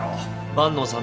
万野さん